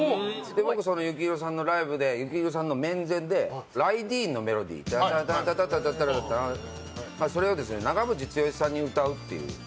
僕、その幸宏さんのライブで幸宏さんの眼前で「ライディーン」のメロディーを長渕剛さん